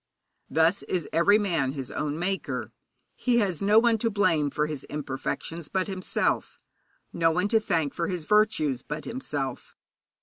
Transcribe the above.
Thus is every man his own maker. He has no one to blame for his imperfections but himself, no one to thank for his virtues but himself.